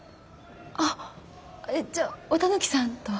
あっじゃあ綿貫さんとは。